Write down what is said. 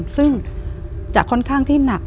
ซึ่งจะค่อนข้างที่หนัก